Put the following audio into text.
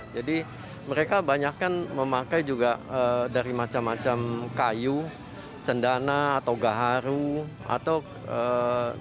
jadi mereka banyakkan memakai juga dari macam macam kayu cendana atau garis